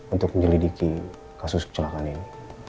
untuk menyelidiki kasus kecelakaan ini